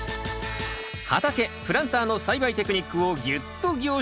畑プランターの栽培テクニックをぎゅっと凝縮した保存版。